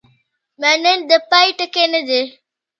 منل د پای ټکی نه دی.